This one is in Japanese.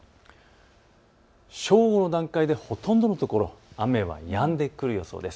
正午の段階でほとんどのところ雨がやんでくる予想です。